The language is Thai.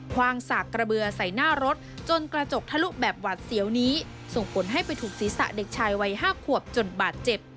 ว่างสากกระเบือใส่หน้ารถจนกระจกทะลุแบบหวาดเสียวนี้ส่งผลให้ไปถูกศีรษะเด็กชายวัย๕ขวบจนบาดเจ็บ